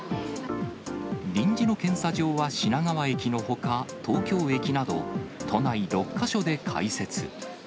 臨時の検査場は品川駅のほか、東京駅など都内６か所で開設。